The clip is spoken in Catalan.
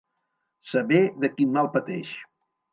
Saber de quin mal pateix.